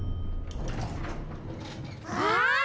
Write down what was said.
あっ！